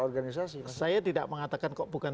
organisasi saya tidak mengatakan kok bukan